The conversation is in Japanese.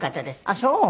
あっそう。